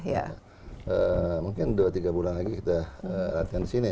mungkin dua tiga bulan lagi kita latihan di sini